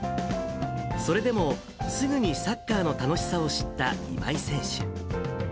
それでも、すぐにサッカーの楽しさを知った今井選手。